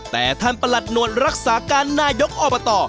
แต่ท่านประหลัดหนวดรักษาการนายกอบต